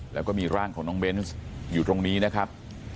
แล้วก็มีร่างของน้องเบนส์อยู่ตรงนี้นะครับ